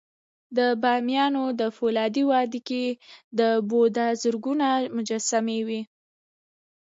د بامیانو د فولادي وادي کې د بودا زرګونه مجسمې وې